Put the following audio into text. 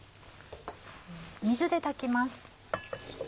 水で炊きます。